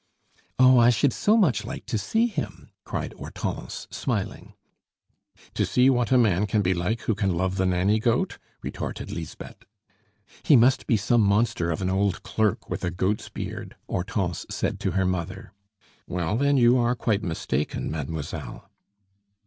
"Oh, I should so much like to see him!" cried Hortense, smiling. "To see what a man can be like who can love the Nanny Goat?" retorted Lisbeth. "He must be some monster of an old clerk, with a goat's beard!" Hortense said to her mother. "Well, then, you are quite mistaken, mademoiselle."